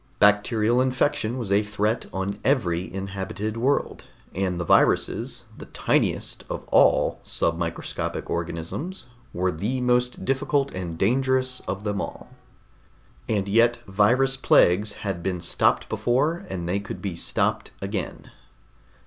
Bacterial infection was a threat on every inhabited world, and the viruses the tiniest of all submicroscopic organisms were the most difficult and dangerous of them all. And yet virus plagues had been stopped before, and they could be stopped again.